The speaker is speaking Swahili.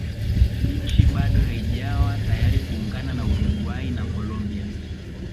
nchi bado haijawa tayari kuungana na Uruguay na Colombia